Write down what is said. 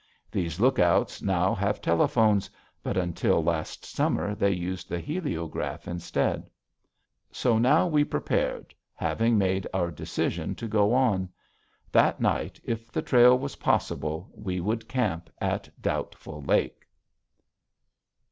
These lookouts now have telephones, but until last summer they used the heliograph instead. So now we prepared, having made our decision to go on. That night, if the trail was possible, we would camp at Doubtful Lake.